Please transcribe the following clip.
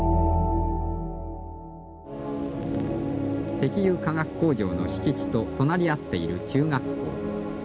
石油化学工場の敷地と隣り合っている中学校。